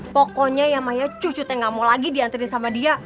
pokoknya ya maya cucu teh nggak mau lagi dianterin sama dia